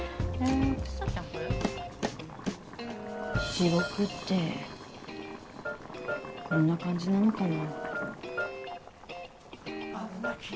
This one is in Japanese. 地獄ってこんな感じなのかな。